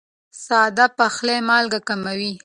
ساده پخلی مالګه کموي.